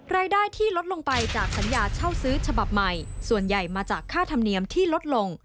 รายได้ที่ลดลงไปจากสัญญาเช่าซื้อฉบับใหม่ส่วนใหญ่มาจากค่าธรรมเนียมที่ลดลง